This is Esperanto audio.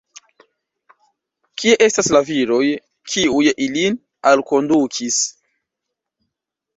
Kie estas la viroj, kiuj ilin alkondukis?